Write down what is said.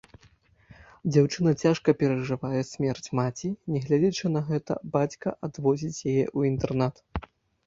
Дзяўчынка цяжка перажывае смерць маці, нягледзячы на гэта, бацька адвозіць яе ў інтэрнат.